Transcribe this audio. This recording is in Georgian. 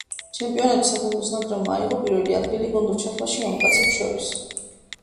ჩემპიონატში საქართველოს ნაკრებმა აიღო პირველი ადგილი გუნდურ ჩათვლაში მამაკაცებს შორის.